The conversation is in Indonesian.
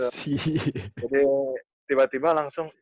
jadi tiba tiba langsung